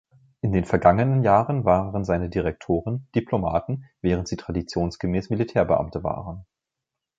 In den vergangenen Jahren waren seine Direktoren Diplomaten, während sie traditionsgemäß Militärbeamte waren.